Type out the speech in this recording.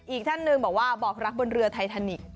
อีกท่านหนึ่งบอกว่าบอกรักบนเรือไททานิกส